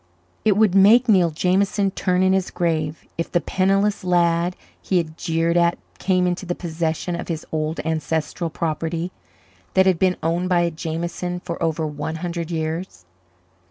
It would make Neil Jameson turn in his grave if the penniless lad he had jeered at came into the possession of his old ancestral property that had been owned by a Jameson for over one hundred years.